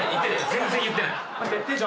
全然言ってない。